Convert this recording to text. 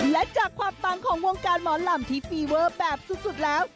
และจากความปังของวงการหมอลำที่ฟีเวอร์แบบสุดแล้ว